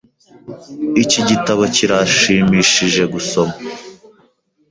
Iki gitabo kirashimishije gusoma.